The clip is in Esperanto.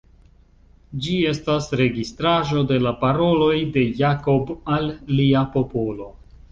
Ĝi estas registraĵo de la paroloj de Jakob al lia popolo.